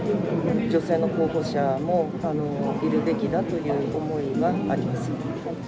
女性の候補者もいるべきだという思いはあります。